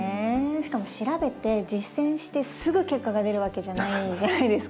しかも調べて実践してすぐ結果が出るわけじゃないじゃないですか